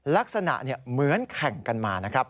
ลักษณะเหมือนแข่งกันมานะครับ